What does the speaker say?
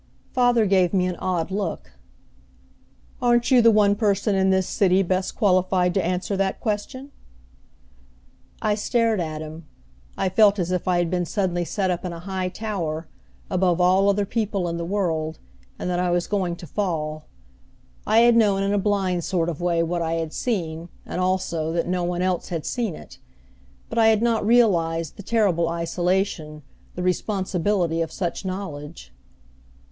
Father gave me an odd look. "Aren't you the one person in this city best qualified to answer that question?" I stared at him. I felt as if I had been suddenly set up in a high tower, above all other people in the world, and that I was going to fall. I had known in a blind sort of way what I had seen, and, also, that no one else had seen it; but I had not realized the terrible isolation, the responsibility of such knowledge.